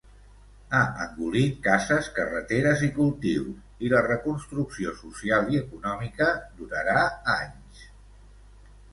Ha engolit cases, carreteres i cultius i la reconstrucció social i econòmica durarà anys.